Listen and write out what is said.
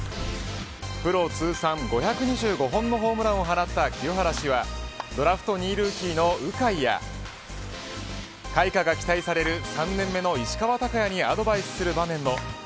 プロ通算５２５本のホームランを放った清原氏はドラフト２位ルーキーの鵜飼や開花が期待される３年目の石川昂弥にアドバイスする場面も。